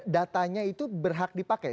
datanya itu berhak dipakai